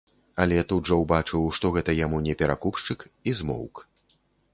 Але тут жа ўбачыў, што гэта яму не перакупшчык, і змоўк.